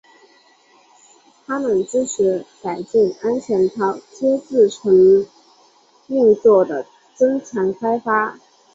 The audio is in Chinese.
它们支持改进安全套接字层运作的增强开发。